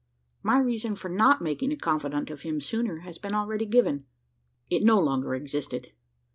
My reason for not making a confidant of him sooner has been already given. It no longer existed.